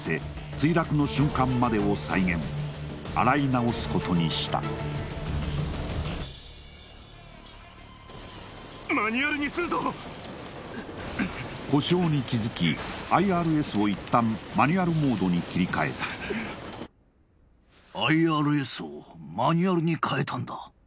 墜落の瞬間までを再現洗いなおすことにしたマニュアルにするぞ故障に気づきＩＲＳを一旦マニュアルモードに切り替えたＩＲＳをマニュアルに変えたんだ